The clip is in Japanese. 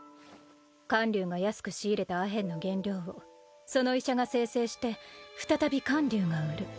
観柳が安く仕入れたアヘンの原料をその医者が精製して再び観柳が売る。